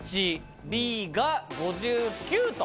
Ｂが５９と。